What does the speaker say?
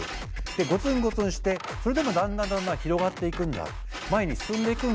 ゴツンゴツンしてそれでもだんだんだんだん広がっていくんだ前に進んでいくんだ。